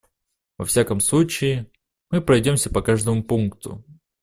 Во всяком случае, мы пройдемся по каждому пункту.